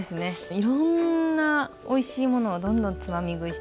いろんなおいしいものをどんどんつまみ食いしていく。